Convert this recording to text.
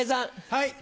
はい。